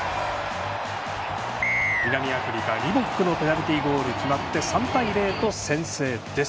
南アフリカ、リボックのペナルティーゴールが決まって３対０と先制です。